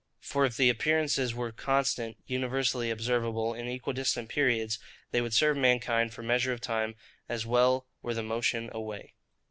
For if the appearances were constant, universally observable, in equidistant periods, they would serve mankind for measure of time as well were the motion away.